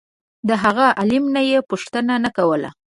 د هغه عالم نه یې پوښتنه نه کوله.